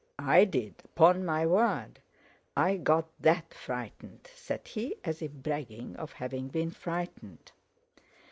I did, 'pon my word, I got that frightened!" said he, as if bragging of having been frightened.